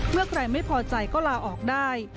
เมื่อใครไม่พอใจก็ลาออกได้